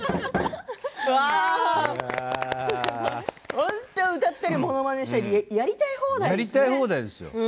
本当に歌ったりものまねしたりやりたい放題です。